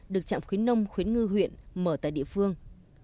được trạm khuyến nông khuyến ngư huyện mở tại địa phương